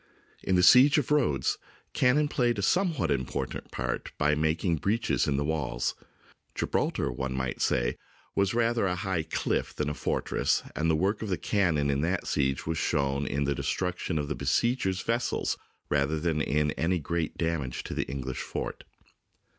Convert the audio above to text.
In the siege of Rhodes, cannon played a somewhat important part by making breaches in the walls. Gibraltar, one might say, was rather a high cliff than a fortress, and the work of the cannon in that siege was shown in the destruction of the besiegers' vessels rather than in any great damage to the English fort.